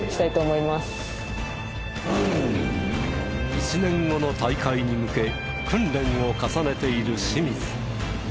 １年後の大会に向け訓練を重ねている清水。